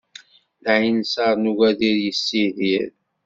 Lɛinṣeṛ n ugadir yessidir.